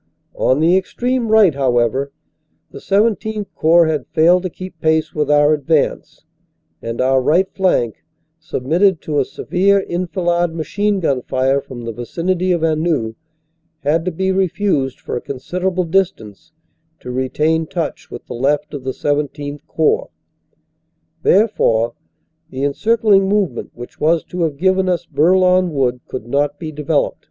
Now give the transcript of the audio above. "On the extreme right, however, the XVII Corps had failed to keep pace with our advance, and our right flank, sub mitted to a severe enfilade machine gun fire from the vicinity of Anneux, had to be refused for a considerable distance to retain touch with the left of the XVII Corps; therefore, the encircling movement which was to have given us Bourlon Wood could not be developed.